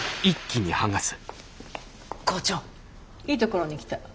いいところに来た。